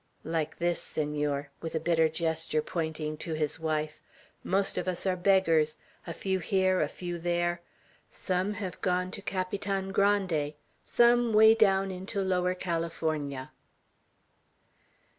"Like this, Senor," with a bitter gesture, pointing to his wife. "Most of us are beggars. A few here, a few there. Some have gone to Capitan Grande, some way down into Lower California."